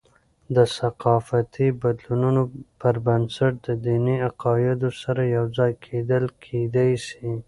د ثقافتي بدلونونو پربنسټ، د دیني عقاید سره یوځای کیدل کېدي سي.